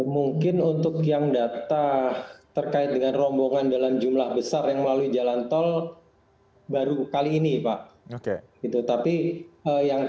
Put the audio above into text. mungkin untuk yang data terkait dengan rombongan dalam jumlah besar yang melalui jalan tol baru kali ini pak